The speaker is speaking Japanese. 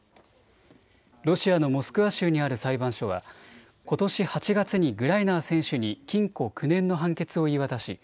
ロシアのモスクワ州にある裁判所はことし８月にグライナー選手に禁錮９年の判決を言い渡し